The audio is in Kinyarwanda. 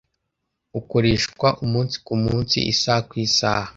ukoreshwa umunsi ku munsi isaha kwi saha